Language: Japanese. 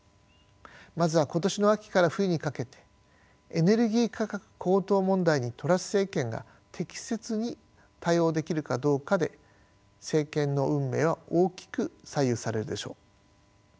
まずは今年の秋から冬にかけてエネルギー価格高騰問題にトラス政権が適切に対応できるかどうかで政権の運命は大きく左右されるでしょう。